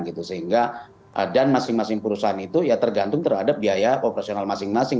sehingga dan masing masing perusahaan itu ya tergantung terhadap biaya operasional masing masing